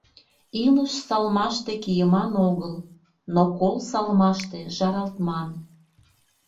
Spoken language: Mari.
Илыш салмаште кийыман огыл, но кол салмаште жаралтман.